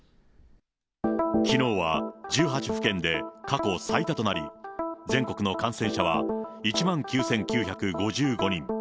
きのうは１８府県で過去最多となり、全国の感染者は１万９９５５人。